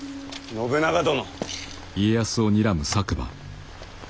信長殿。